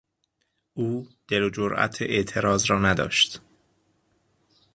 او دل و جرات اعتراض را نداشت.